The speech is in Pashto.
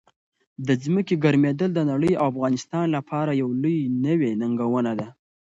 د ځمکې ګرمېدل د نړۍ او افغانستان لپاره یو لوی نوي ننګونه ده.